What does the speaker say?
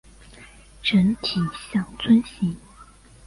整体像樽形。